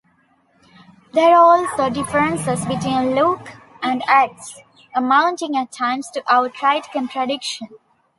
There are also differences between Luke and Acts, amounting at times to outright contradiction.